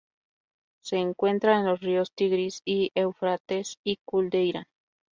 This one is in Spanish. Se encuentra en los ríos Tigris y Éufrates, y Kul del Irán.